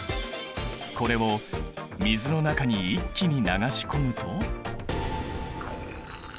これを水の中に一気に流し込むと。